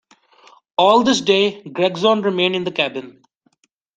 All this day Gregson remained in the cabin.